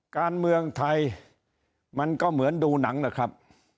การเมืองไทยมันก็เหมือนดูหนังนะครับ